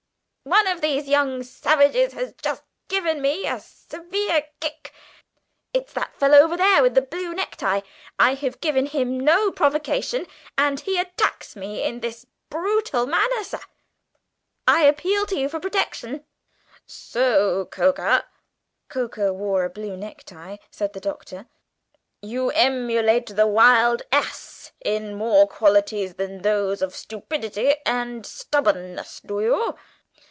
"One of these young savages has just given me a severe kick; it's that fellow over there, with the blue necktie. I have given him no provocation, and he attacks me in this brutal manner, sir; I appeal to you for protection!" "So, Coker" (Coker wore a blue necktie), said the Doctor, "you emulate the wild ass in more qualities than those of stupidity and stubbornness, do you?